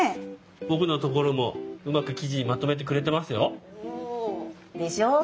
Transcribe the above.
僕のところもうまく記事にまとめてくれてますよ。でしょう？